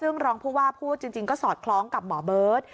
ซึ่งรองผู้ว่าพูดจริงก็สอดคล้องกับหมอเบิร์ต